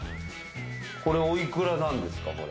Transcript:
これ、おいくらなんですか？